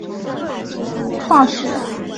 创始人是徐载弼和尹致昊。